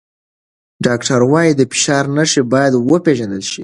ډاکټران وايي د فشار نښې باید وپیژندل شي.